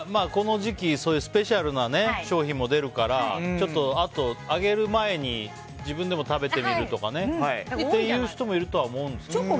この時期そういうスペシャルな商品も出るからあと、あげる前に自分でも食べてみるとかねっていう人もいるとは思うんですけど。